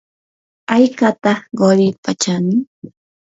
¿haykataq quripa chanin?